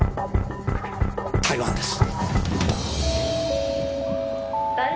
台湾です！